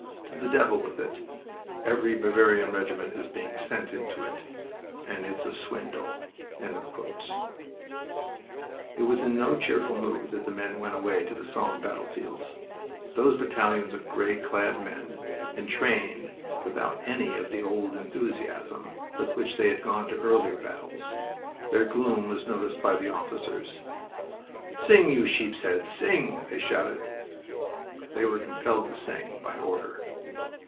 To the devil with it! Every Bavarian regiment is being sent into it, and it's a swindle." It was in no cheerful mood that men went away to the Somme battlefields. Those battalions of gray clad men entrained without any of the old enthusiasm with which they had gone to earlier battles. Their gloom was noticed by the officers. "Sing, you sheeps' heads, sing!" they shouted. They were compelled to sing, by order.